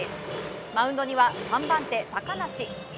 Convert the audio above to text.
マウンドには３番手、高梨。